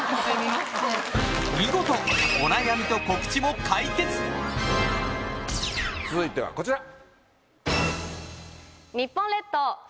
見事お悩みと告知も解決続いてはこちら。